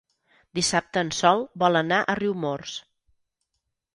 Dissabte en Sol vol anar a Riumors.